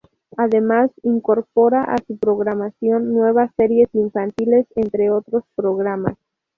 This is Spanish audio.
Además incorpora a su programación nuevas series infantiles, entre otros programas.